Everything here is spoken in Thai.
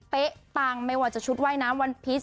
เป๊ะตางไม่ว่าชุดว่ายน้ำวันพีช